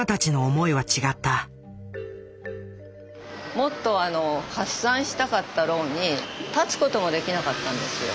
もっと発散したかったろうに立つ事もできなかったんですよ。